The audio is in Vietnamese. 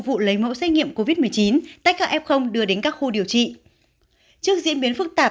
vụ lấy mẫu xét nghiệm covid một mươi chín tách các f đưa đến các khu điều trị trước diễn biến phức tạp